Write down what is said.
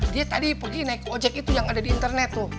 dia tadi pergi naik ojek itu yang ada di internet tuh